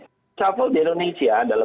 reshuffle di indonesia adalah